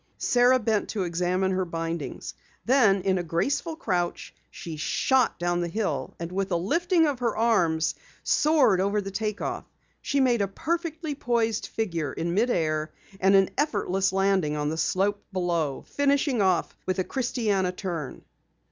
Sara bent to examine her bindings. Then in a graceful crouch she shot down the hill and with a lifting of her arms soared over the take off. She made a perfectly poised figure in mid air and an effortless landing on the slope below, finishing off with a christiana turn.